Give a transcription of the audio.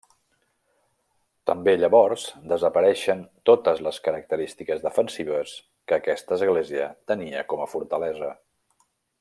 També llavors desapareixen totes les característiques defensives que aquesta església tenia com a fortalesa.